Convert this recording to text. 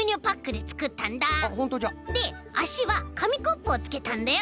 であしはかみコップをつけたんだよ。